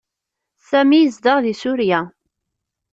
Sami yezdeɣ deg Surya.